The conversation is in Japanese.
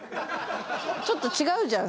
ちょっと違うじゃん